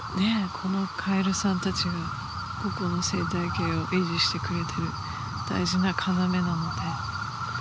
このカエルさんたちがここの生態系を維持してくれてる大事な要なので。